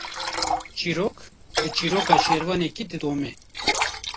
Çîrok, bi çîroka şervanekî didome